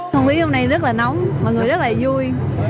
thông bí hôm nay rất là nóng mọi người rất là vui